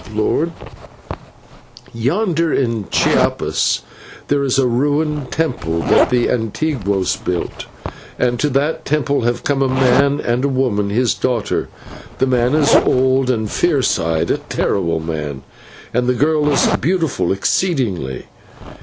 "Lord, yonder in Chiapas there is a ruined temple that the /antiguos/ built, and to that temple have come a man and a woman, his daughter. The man is old and fierce eyed, a terrible man, and the girl is beautiful exceedingly.